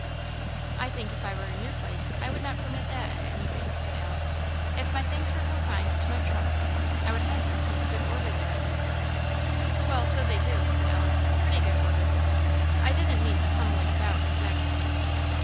"I think if I were in your place I would not permit that, at any rate," said Alice; "if my things were confined to my truck, I would have them keep good order there, at least." "Well, so they do," said Ellen "pretty good order; I didn't mean 'tumbling about' exactly."